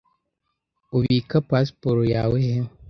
Ubika pasiporo yawe he?